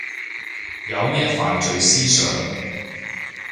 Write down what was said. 有咩犯罪思想